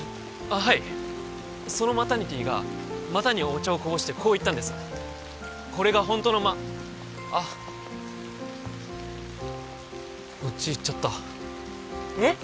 あっはいそのマタニティーが股にお茶をこぼしてこう言ったんですこれがホントのマあっオチ言っちゃったえっ？